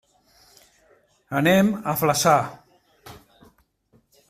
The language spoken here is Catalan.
Anem a Flaçà.